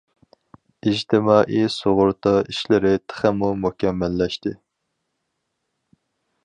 ئىجتىمائىي سۇغۇرتا ئىشلىرى تېخىمۇ مۇكەممەللەشتى.